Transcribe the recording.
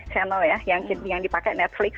channel ya yang dipakai netflix